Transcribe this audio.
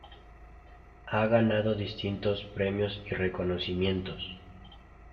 Ha ganado distintos premios y reconocimientos.